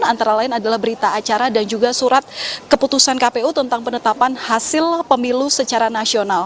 antara lain adalah berita acara dan juga surat keputusan kpu tentang penetapan hasil pemilu secara nasional